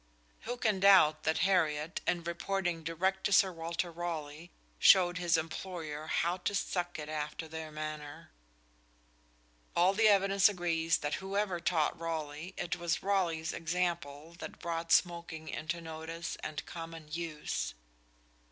Who can doubt that Hariot, in reporting direct to Sir Walter Raleigh, showed his employer how "to suck it after their maner"? All the evidence agrees that whoever taught Raleigh, it was Raleigh's example that brought smoking into notice and common use.